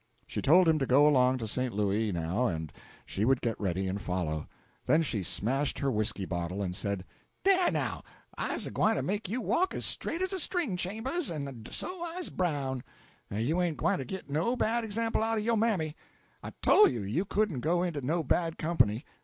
She told him to go along to St. Louis, now, and she would get ready and follow. Then she smashed her whisky bottle and said "Dah now! I's a gwyne to make you walk as straight as a string, Chambers, en so I's bown' you ain't gwyne to git no bad example out o' yo' mammy. I tole you you couldn't go into no bad comp'ny.